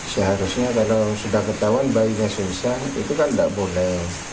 seharusnya kalau sudah ketahuan bayinya susah itu kan tidak boleh